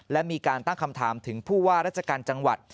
และมีการตั้งคำถามถึงผู้ว่าราชการจังหวัด